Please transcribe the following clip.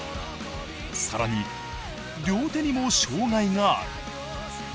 さらに両手にも障害がある。